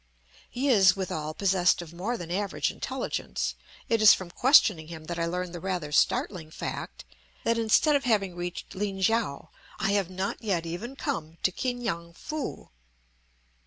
He is, withal, possessed of more than average intelligence; it is from questioning him that I learn the rather startling fact that, instead of having reached Lin kiang, I have not yet even come to Ki ngan foo.